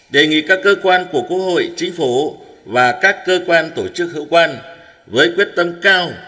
đề nghị các cơ quan của quốc hội chính phủ và các cơ quan tổ chức hữu quan với quyết tâm cao